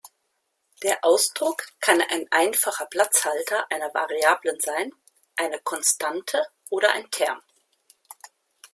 Der Ausdruck kann ein einfacher Platzhalter einer Variablen sein, eine Konstante oder ein Term.